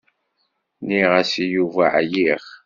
Nniɣ-as i Yuba ɛyiɣ.